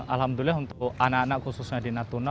alhamdulillah untuk anak anak khususnya di natuna